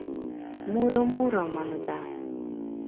Муро, муро, маныда